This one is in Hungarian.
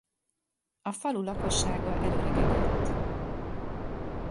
A falu lakossága elöregedett.